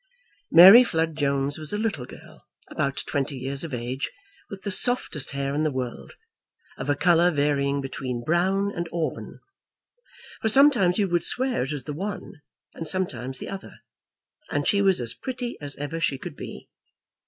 Mary Flood Jones was a little girl about twenty years of age, with the softest hair in the world, of a colour varying between brown and auburn, for sometimes you would swear it was the one and sometimes the other; and she was as pretty as ever she could be.